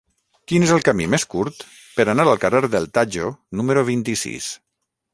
Quin és el camí més curt per anar al carrer del Tajo número vint-i-sis?